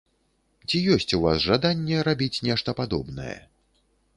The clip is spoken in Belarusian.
Ці ёсць у вас жаданне рабіць нешта падобнае?